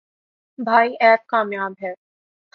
بھائی ایپ کامیاب ہے۔